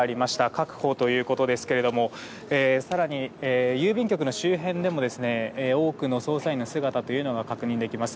確保ということですけども更に、郵便局の周辺でも多くの捜査員の姿が確認できます。